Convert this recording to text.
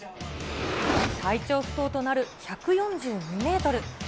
最長不倒となる１４２メートル。